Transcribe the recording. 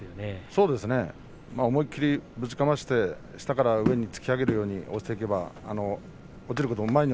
そうですね思いっきりぶちかまして下から突き上げるように押していけば。